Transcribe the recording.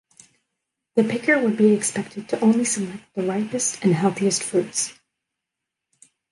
The picker would be expected to only select the ripest and healthiest fruits.